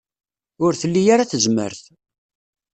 Ur tli ara tazmert.